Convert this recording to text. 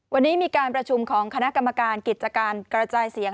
วันนี้มีการประชุมของคณะกรรมการกิจการกระจายเสียง